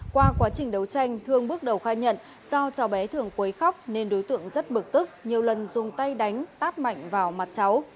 qua quá trình đấu tranh thương bước đầu khai nhận do cháu bé thường quấy khóc nên đối tượng rất bực tức nhiều lần dùng tay đánh tát mạnh vào mặt cháu